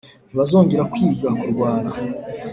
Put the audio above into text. ntibazongera kwiga kurwana